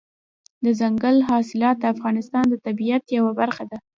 دځنګل حاصلات د افغانستان د طبیعت یوه برخه ده.